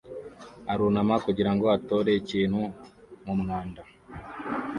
arunama kugirango atore ikintu mumwanda